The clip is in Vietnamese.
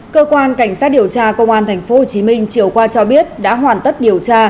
cơ quan cảnh sát điều tra công an tp hcm chiều qua cho biết đã hoàn tất điều tra